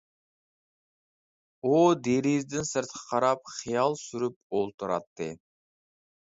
ئۇ دېرىزىدىن سىرتقا قاراپ، خىيال سۈرۈپ ئولتۇراتتى.